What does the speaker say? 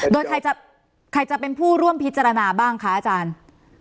โดยใครจะเป็นผู้ร่วมพิจารณาบ้างคะอาจารย์